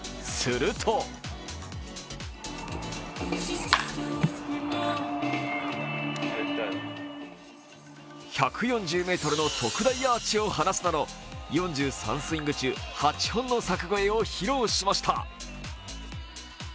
すると１４０ｍの特大アーチを放つなど４３スイング中８本のサク越えを披露しました。